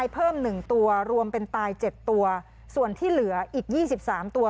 เพิ่มหนึ่งตัวรวมเป็นตายเจ็ดตัวส่วนที่เหลืออีก๒๓ตัว